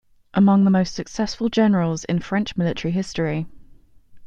Among the most successful generals in French military history.